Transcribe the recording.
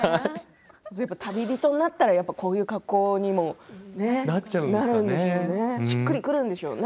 旅人になったらこういう格好にもなるんでしょうね。